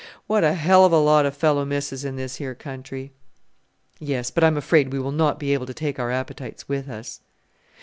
What a hell of a lot a fellow misses in this here country!" "Yes, but I'm afraid we will not be able to take our appetites with us."